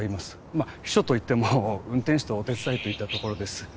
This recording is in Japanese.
まあ秘書といっても運転手とお手伝いといったところです